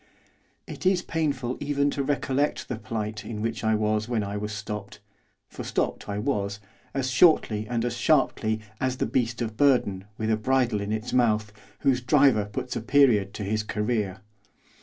It is painful even to recollect the plight in which I was when I was stopped, for stopped I was, as shortly and as sharply, as the beast of burden, with a bridle in its mouth, whose driver puts a period to his career.